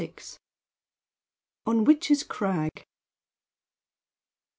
ON WITCH'S CRAG.